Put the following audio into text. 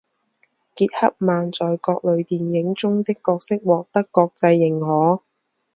杰克曼在各类电影中的角色获得国际认可。